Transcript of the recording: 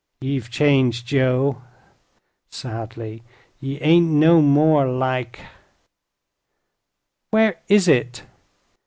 "Ye've changed, Joe," sadly. "Ye ain't no more like " "Where is it?"